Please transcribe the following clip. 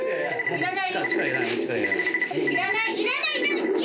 いらない。